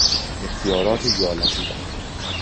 اختیارات ایالتی